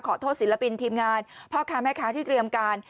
ศิลปินทีมงานพ่อค้าแม่ค้าที่เตรียมการ